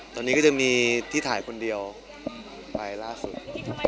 ตอนนี้ก็จะมีที่ถ่ายคนเดียวไปล่าสุด